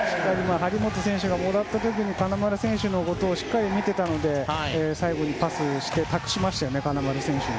張本選手がもらった時に金丸選手のことをしっかりと見ていたので最後にパスをしてたくしましたよね、金丸選手に。